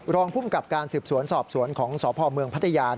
รองพุ่มกับการสืบสวนสอบสวนของสพพัทยา